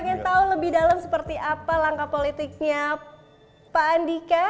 ingin tahu lebih dalam seperti apa langkah politiknya pak andika